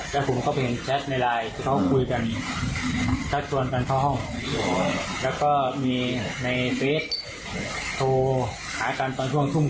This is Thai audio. แล้วผมก็ไปเห็นแชทในไลน์ที่เขาคุยกันชักชวนกันเข้าห้องแล้วก็มีในเฟสโทรหากันตอนช่วงทุ่ม